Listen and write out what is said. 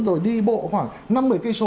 rồi đi bộ khoảng năm một mươi km